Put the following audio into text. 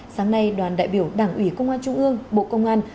sáng nay đoàn đại biểu đảng ủy công an trung ương bộ công an